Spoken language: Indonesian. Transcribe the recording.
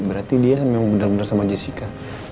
berarti dia memang benar benar sama jessica